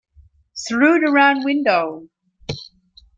Through the round window!